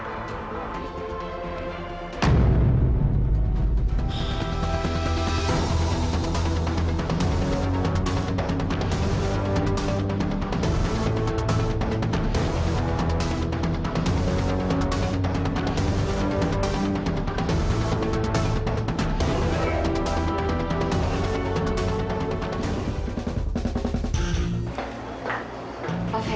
terima kasih pak